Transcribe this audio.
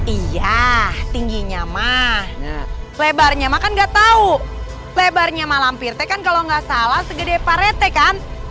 iya tingginya mah lebarnya mah kan nggak tahu lebarnya malam bir kan kalau nggak salah segede pak rete kan